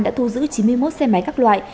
đã thu giữ chín mươi một xe máy các loại